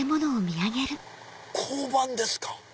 交番ですか？